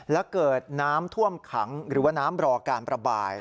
และเกิดน้ำท่วมขังหรือว่าน้ำรอการประบาย